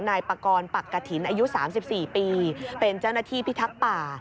นายปากรปักกะถิ่นอายุ๓๔ปีเป็นเจ้าหน้าที่พิทักษ์ป่า